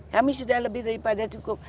kami sudah lebih daripada cukup